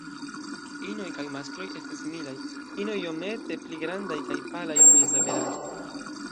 Inoj kaj maskloj estas similaj, ino iomete pli grandaj kaj palaj mezaveraĝe.